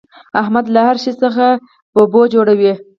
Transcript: احمد له هر شي څخه ببو جوړوي.